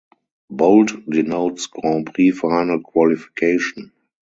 Bold denotes Grand Prix Final qualification.